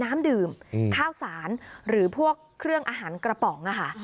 น้ำดื่มข้าวสารหรือพวกเครื่องอาหารกระป๋องค่ะ